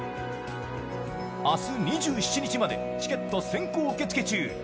明日２７日までチケット先行受付中。